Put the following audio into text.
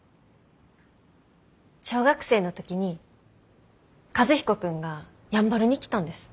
小学生の時に和彦君がやんばるに来たんです。